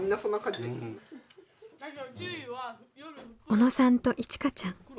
小野さんといちかちゃん。